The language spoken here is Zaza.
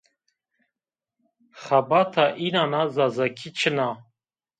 Xebata înan a zazakî çin a